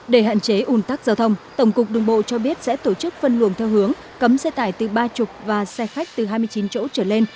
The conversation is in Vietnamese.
để hạn chế ủn tắc giao thông tổng cục đường bộ cho biết sẽ tổ chức phân luồng theo hướng cấm xe tải từ ba mươi và xe khách từ hai mươi chín chỗ trở lên